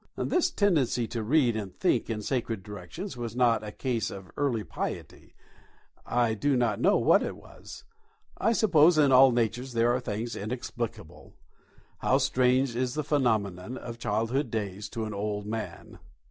This tendency to read and think in sacred directions was not a case of early piety. I do not know what it was. I suppose in all natures there are things inexplicable. How strange is the phenomenon of childhood days to an old man!